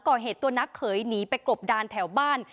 ตัวนักเขยหนีไปกบดานแถวบ้าน